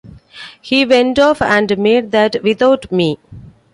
He went off and made that without me.